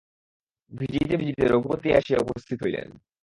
ভিজিতে ভিজিতে রঘুপতি আসিয়া উপস্থিত হইলেন।